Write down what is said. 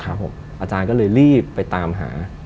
อาจารย์ก็เลยรีบไปตามหา